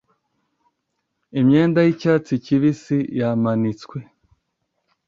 imyenda y'icyatsi kibisi yamanitswe.